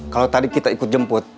kalau tadi kita ikut jemput